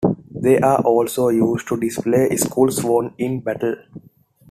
They are also used to display skulls won in battle.